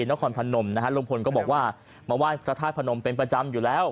นครพนมนะฮะลุงพลก็บอกว่ามาไหว้พระธาตุพนมเป็นประจำอยู่แล้ว